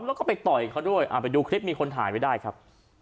แล้วก็ไปต่อยเขาด้วยไปดูคลิปมีคนถ่ายไว้ได้ครับ